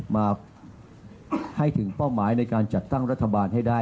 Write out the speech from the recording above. มาให้ถึงเป้าหมายในการจัดตั้งรัฐบาลให้ได้